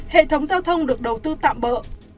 hệ thống giao thông được đầu tư tạm bỡ